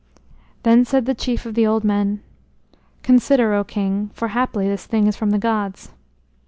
Then said the chief of the old men: "Consider, O King, for haply this thing is from the gods."